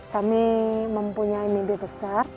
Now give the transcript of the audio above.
kami mempunyai mimpi besar